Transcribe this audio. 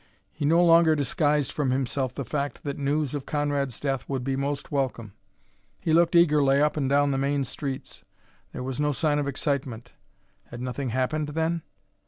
He no longer disguised from himself the fact that news of Conrad's death would be most welcome. He looked eagerly up and down the main streets; there was no sign of excitement. Had nothing happened, then?